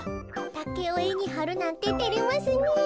タケをえにはるなんててれますねえ。